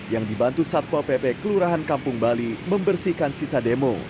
yang dibantu satpol pp kelurahan kampung bali membersihkan sisa demo